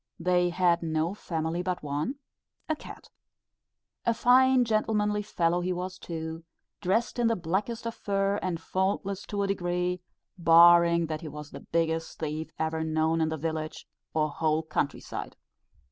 They had no family but one, a cat. A fine gentlemanly fellow he was too; dressed in the blackest of fur, and faultless to a degree, barring that he was the biggest thief ever known in the village, or whole country side.